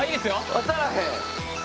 当たらへん！